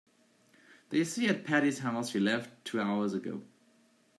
They say at Patti's house he left two hours ago.